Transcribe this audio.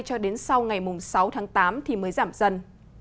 cho đến sau ngày sáu tháng tám thì mới giảm dần